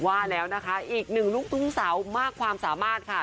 ว่าแล้วนะคะอีกหนึ่งลูกทุ่งสาวมากความสามารถค่ะ